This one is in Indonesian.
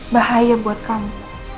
bahaya buat kamu